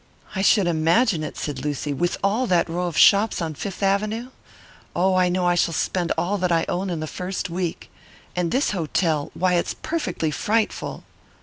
"I should imagine it," said Lucy. "With all that row of shops on Fifth Avenue! Oh, I know I shall spend all that I own in the first week. And this hotel why, it's perfectly frightful."